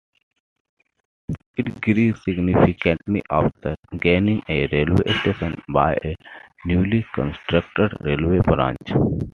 It grew significantly after gaining a railway station by a newly constructed railway branch.